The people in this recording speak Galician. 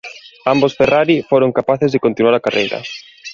Ambos Ferrari foron capaces de continuar a carreira.